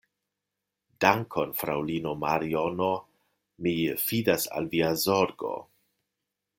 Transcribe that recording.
Dankon, fraŭlino Mariono, mi fidas al via zorgo.